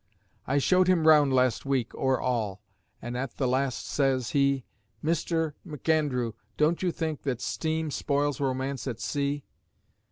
I showed him round last week, o'er all an' at the last says he: "Mister M'Andrew, don't you think steam spoils romance at sea?"